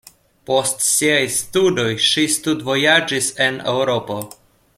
Post siaj studoj ŝi studvojaĝis en Eŭropo.